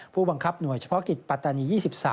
ผู้บังคับหน่วยเฉพาะกิจปัตตานี๒๓